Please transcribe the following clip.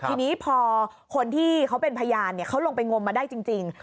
ทีนี้พอคนที่เขาเป็นพยานเขาลงไปงมมาได้จริง